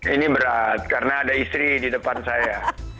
ini berat karena ada istri di depan saya